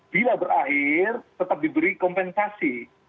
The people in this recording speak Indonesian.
bila berakhir tetap diberi kompensasi